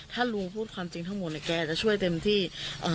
ถ้าลุงพูดความจริงทั้งหมดเนี่ยแกจะช่วยเต็มที่